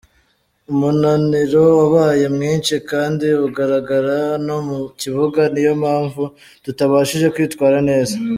Umunaniro wabaye mwinshi kandi uragaragara no mu kibuga, niyo mpamvu tutabashije kwitwara neza.